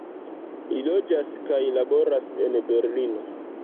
Li loĝas kaj laboras en Berlino.